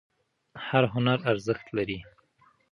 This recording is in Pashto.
هر هنر ارزښت لري.